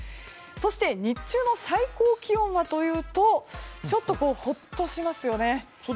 そして日中の最高気温はというとちょっとほっとしますよね。